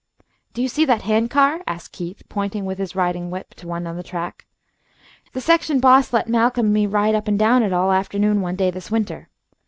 "Do you see that hand car?" asked Keith, pointing with his riding whip to one on the track. "The section boss let Malcolm and me ride up and down on it all afternoon one day this winter.